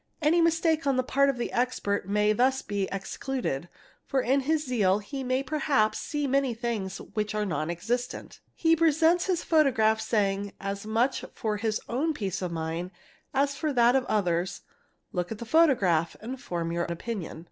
Any mistake on the pa of the expert may thus be excluded, for in his zeal he may perhaps see many things which are non existent. He presents his photograph — saying, as much for his own peace of mind as for that of others: "look at the photograph and form your opinion."